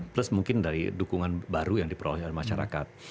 plus mungkin dari dukungan baru yang diperoleh oleh masyarakat